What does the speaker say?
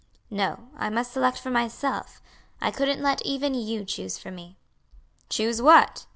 "No, I must select for myself; I couldn't let even you choose for me." "Choose what?"